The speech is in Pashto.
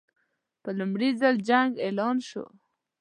په لومړي ځل جنګ اعلان شو.